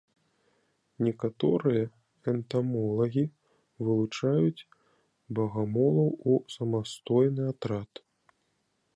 Некаторыя энтамолагі вылучаюць багамолаў у самастойны атрад.